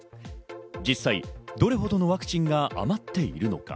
実際どれほどのワクチンが余っているのか。